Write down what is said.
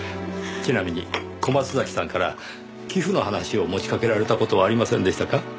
ちなみに小松崎さんから寄付の話を持ちかけられた事はありませんでしたか？